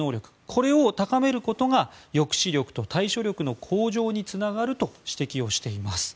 これを高めることが抑止力と対処力の向上につながると指摘をしています。